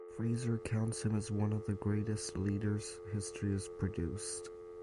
Fraser counts him as one of greatest leaders history has produced.